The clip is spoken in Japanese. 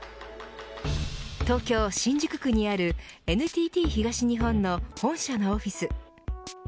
東京、新宿区にあるＮＴＴ東日本の本社のオフィス。